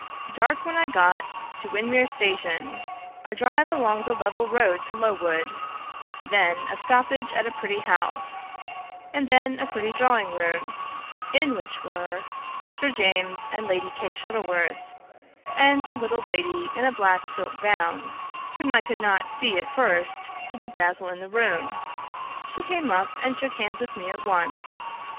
"Dark when I got to Windermere station; a drive along the level road to Low wood; then a stoppage at a pretty house, and then a pretty drawing room, in which were Sir James and Lady Kay Shuttleworth, and a little lady in a black silk gown, whom I could not see at first for the dazzle in the room; she came up and shook hands with me at once.